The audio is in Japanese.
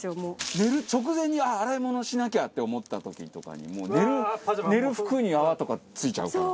寝る直前に洗い物しなきゃって思った時とかに寝る服に泡とかついちゃうから。